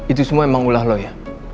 itu semua emang ulah lo ya